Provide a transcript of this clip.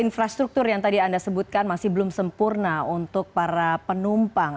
infrastruktur yang tadi anda sebutkan masih belum sempurna untuk para penumpang